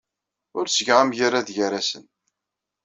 Ur ttgeɣ amgerrad gar-asen.